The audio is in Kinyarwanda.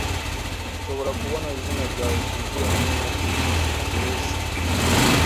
Nshobora kubona izina ryawe ryuzuye hamwe na aderesi?